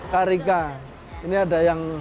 karika ini ada yang